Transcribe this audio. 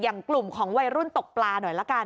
กลุ่มของวัยรุ่นตกปลาหน่อยละกัน